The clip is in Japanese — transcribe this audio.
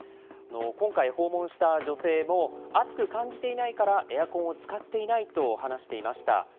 今回、訪問した女性も、暑く感じていないからエアコンを使っていないと話していました。